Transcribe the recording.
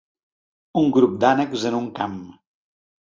Un grup d'ànecs en un camp.